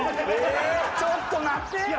ちょっと待ってよ！